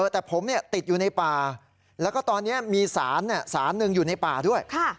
แต่ผมติดอยู่ในป่าแล้วก็ตอนนี้มีสารสารหนึ่งอยู่ในป่าด้วย